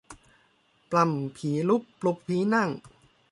ปล้ำผีลุกปลุกผีนั่ง